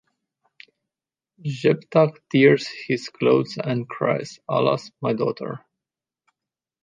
Jephthah tears his clothes and cries, Alas, my daughter!